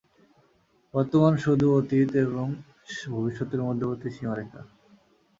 বর্তমান শুধু অতীত এবং ভবিষ্যতের মধ্যবর্তী সীমারেখা।